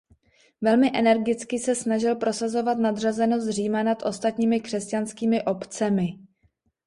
Velmi energicky se snažil prosazovat nadřazenost Říma nad ostatními křesťanskými obcemi.